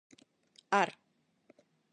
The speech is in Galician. Ar...